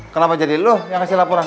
kenapa jadi lu yang kasih laporan